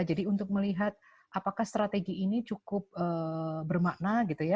jadi untuk melihat apakah strategi ini cukup bermakna